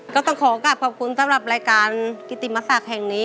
ก็ต้องขอกลับขอบคุณสำหรับรายการกิติมศักดิ์แห่งนี้